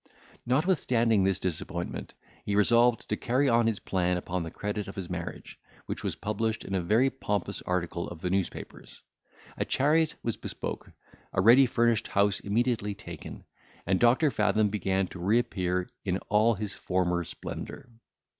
Notwithstanding this disappointment, he resolved to carry on his plan upon the credit of his marriage, which was published in a very pompous article of the newspapers; a chariot was bespoke, a ready furnished house immediately taken, and Doctor Fathom began to reappear in all his former splendour.